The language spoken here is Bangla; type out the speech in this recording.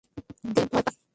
ডেভ, ভয় পাচ্ছি।